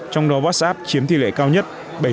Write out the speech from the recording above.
trong đó whatsapp chiếm tỷ lệ cao nhất bảy mươi chín